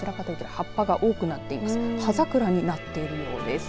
葉桜になっているようです。